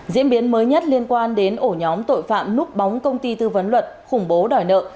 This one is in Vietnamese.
diễn biến mới nhất liên quan đến ổ nhóm tội phạm núp bóng công ty tư vấn luật khủng bố đòi nợ